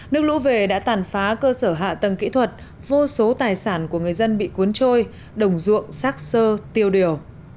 nước lũ về đã tàn phá cơ sở hạ tầng kỹ thuật vô số tài sản của người dân bị cuốn trôi đồng ruộng xác sơ tiêu điều